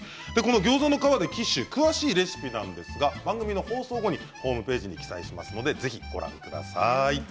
ギョーザの皮でキッシュの詳しいレシピは番組放送後にホームページに掲載しますのでぜひご覧ください。